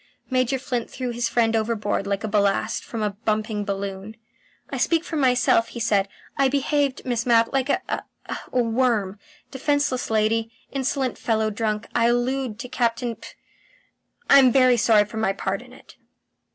Major Flint threw his friend overboard like ballast from a bumping balloon. "I speak for myself," he said. "I behaved, Miss Mapp, like a ha worm. Defenceless lady, insolent fellow drunk I allude to Captain P . I'm very sorry for my part in it."